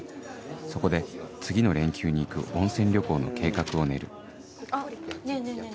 そこで次の連休に行く温泉旅行の計画を練るあっねぇねぇねぇ